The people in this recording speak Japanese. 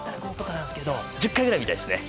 １０回ぐらい見たいですね。